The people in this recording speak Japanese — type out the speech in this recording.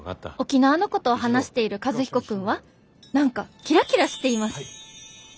「沖縄のことを話している和彦君は何かキラキラしています」。